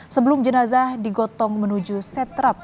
sebelum jenazah digotong menuju setrap